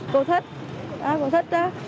cô thích áo quần thích đó